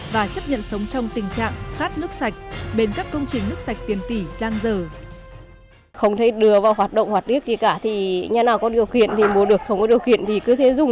và chấp nhận sống trong tình trạng khát nước sạch